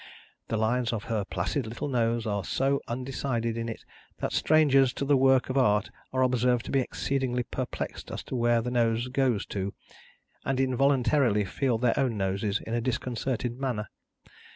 The lines of her placid little nose are so undecided in it that strangers to the work of art are observed to be exceedingly perplexed as to where the nose goes to, and involuntarily feel their own noses in a disconcerted manner.